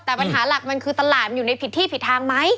แต่ปัญหาหลักมันคือตลาดมันอยู่ในผิดที่ผิดทางไหม